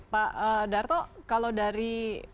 pak darto kalau dari